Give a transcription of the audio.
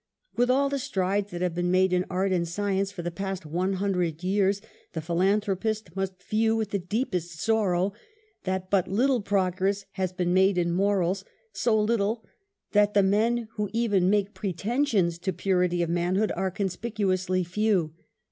With all the strides that have been made in art and science for the past one hundred years, the philanthropist must view with the deepest sorrow that but little progress has been made in morals, so little, that the men who even make pretensions to purity of manhood are conspicuously few.